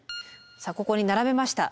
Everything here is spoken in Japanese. さあここに並べました。